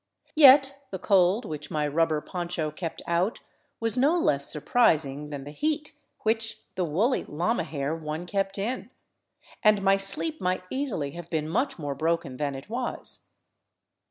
Yet the cold which my rubber poncho kept out was no less surprising than the heat which the wooly llama hair one kept in, and my sleep might easily have been much more bfoken than it was.